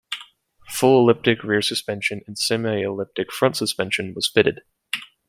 Full elliptic rear suspension and semi-elliptic front suspension was fitted.